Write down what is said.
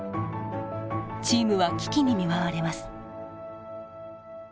チームは危機に見舞われます。